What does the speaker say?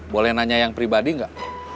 boleh nanya yang pribadi nggak